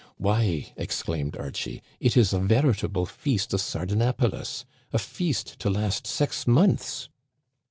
Why !" exclaimed Archie, " it is a veritable feast of Sardanapalus — a feast to last six months